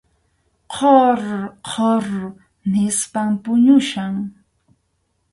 Qhur qhur nispam puñuchkan.